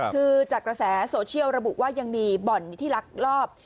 คือจากกระแสโซเชียลระบุว่ายังมีบ่อนที่ลักลอบ